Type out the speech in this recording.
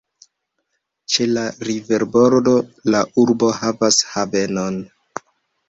Ĉe la riverbordo la urbo havas havenon.